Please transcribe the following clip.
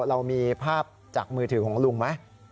เรามีภาพจากมือถือของลุงไหม